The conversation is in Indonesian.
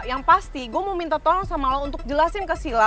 yang pasti gue mau minta tolong sama lo untuk jelasin ke sila